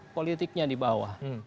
itu politiknya di bawah